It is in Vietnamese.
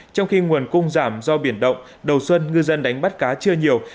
trong khi nguồn cung giảm do biển động đầu xuân ngư dân đánh bắt cá chưa nhiều